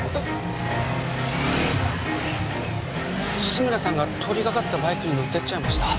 志村さんが通りがかったバイクに乗ってっちゃいました